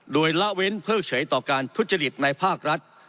โดยละเว้นเพิกเฉยต่อการทุจริตในภาครัฐ